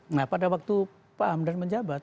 nah pada waktu pak hamdan menjabat